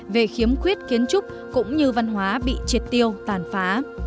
về khiếm khuyết kiến trúc cũng như văn hóa bị triệt tiêu tàn phá